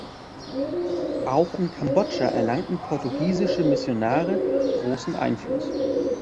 Auch in Kambodscha erlangten portugiesische Missionare großen Einfluss.